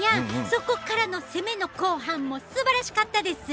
そこからの攻めの後半もうすばらしかったです！